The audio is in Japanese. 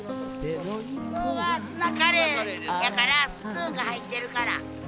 今日はツナカレーやからスプーンが入ってるから。